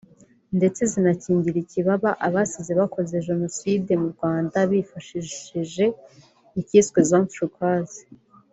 ndetse zinakingira ikibaba abasize bakoze Jenoside mu Rwanda bifashishije icyiswe ‘Zone Turquoise’